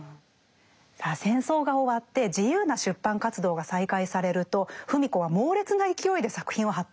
さあ戦争が終わって自由な出版活動が再開されると芙美子は猛烈な勢いで作品を発表していきました。